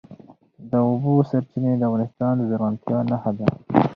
د اوبو سرچینې د افغانستان د زرغونتیا نښه ده.